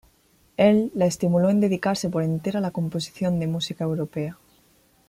Él la estimuló en dedicarse por entero a la composición de música europea.